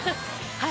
はい。